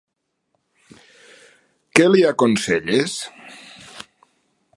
Què li aconselles?